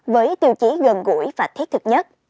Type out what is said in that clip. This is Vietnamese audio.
với tiêu chí gần gũi và thiết thực nhất